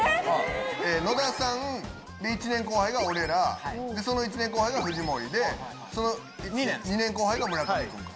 野田さんで１年後輩が俺らその１年後輩が藤森でその２年後輩が村上くんか。